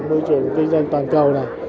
môi trường kinh doanh toàn cầu này